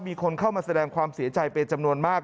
มีคนเข้ามาแสดงความเสียใจเป็นจำนวนมาก